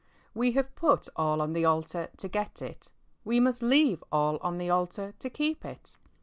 We have put all on the altar to get it. We must leave all on the altar to keep it.